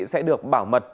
sẽ được bảo mật